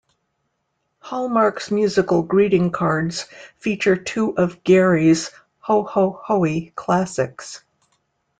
Hallmark's musical greeting cards feature two of Gary's "Ho Ho Hoey" classics.